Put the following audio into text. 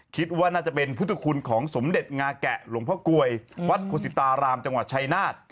คิดว่าน่าจะเป็นพุทธคุณของสมเด็จงาแกะหลวงพ่อกลวยวัดโคศิตารามจังหวัดชายนาฏ